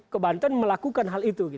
ke banten melakukan hal itu